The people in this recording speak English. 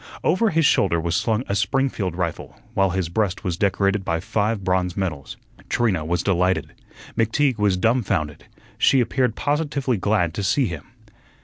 Over his shoulder was slung a Springfield rifle, while his breast was decorated by five bronze medals. Trina was delighted. McTeague was dumfounded. She appeared positively glad to see him.